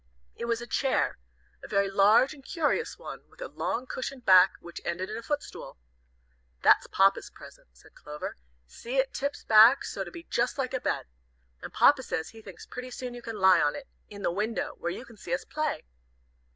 It was a chair, a very large and curious one, with a long cushioned back, which ended in a footstool. "That's Papa's present," said Clover; "see, it tips back so as to be just like a bed. And Papa says he thinks pretty soon you can lie on it, in the window, where you can see us play."